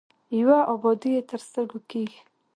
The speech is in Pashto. یوه ابادي یې تر سترګو کېږي.